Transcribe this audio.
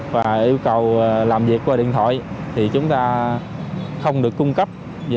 và yêu cầu làm việc qua điện thoại thì chúng ta không được cung cấp